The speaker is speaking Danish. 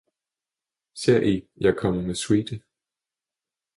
Ser I, jeg kommer med suite!